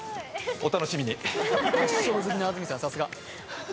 お楽しみに。